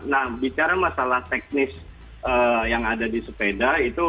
nah bicara masalah teknis yang ada di sepeda itu